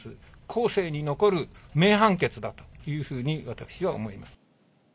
後世に残る名判決だというふうに、私は思います。